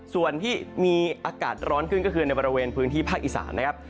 ส่วนที่มีอากาศร้อนขึ้นก็คือในบริเวณพื้นที่ภาคอีสานนะครับ